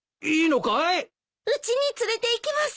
うちに連れていきます。